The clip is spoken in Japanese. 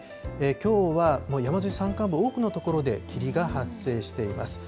きょうは山沿い、山間部、多くの所で霧が発生しています。